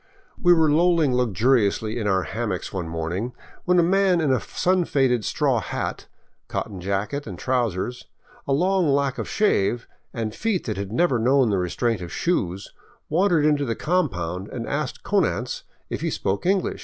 We were lolling luxuriously in our hammocks one morning, when a man in a sun faded straw hat, cotton jacket and trousers, a long lack of shave, and feet that had never known the restraint of shoes, wan dered into the compound and asked Konanz if he spoke English.